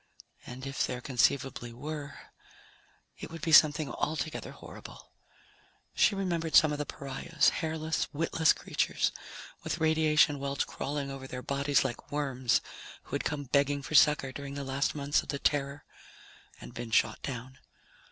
And if there conceivably were, it would be something altogether horrible. She remembered some of the pariahs hairless, witless creatures, with radiation welts crawling over their bodies like worms, who had come begging for succor during the last months of the Terror and been shot down.